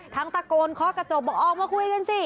ทั้งตะโกนคลอกกระจกบอกอ้อมาคุยกันสิ